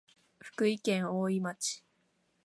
福井県おおい町